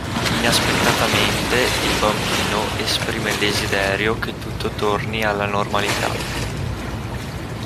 Inaspettatamente il bambino esprime il desiderio che tutto torni alla normalità.